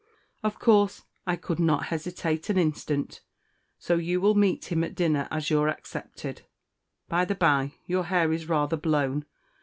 Of course I could not hesitate an instant; so you will meet him at dinner as your accepted. By the bye, your hair is rather blown.